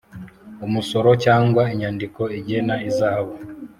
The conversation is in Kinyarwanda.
umusoro cyangwa inyandiko igena ihazabu